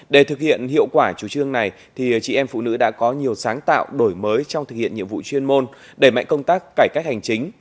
để thực hiện hiệu quả chủ trương này chị em phụ nữ đã có nhiều sáng tạo đổi mới trong thực hiện nhiệm vụ chuyên môn đẩy mạnh công tác cải cách hành chính